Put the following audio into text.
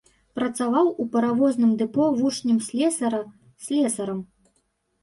Працаваў у паравозным дэпо вучнем слесара, слесарам.